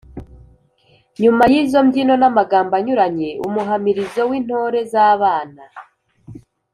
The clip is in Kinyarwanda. nyuma y’izo mbyino n’amagambo anyuranye; umuhamirizo w’intore z’abana